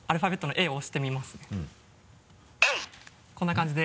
［Ａ］こんな感じで。